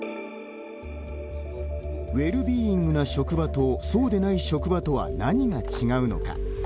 ウェルビーイングな職場とそうでない職場とは何が違うのか。